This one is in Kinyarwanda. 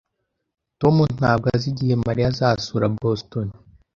Tom ntabwo azi igihe Mariya azasura Boston